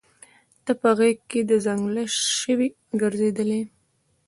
نه په غېږ کي د ځنګله سوای ګرځیدلای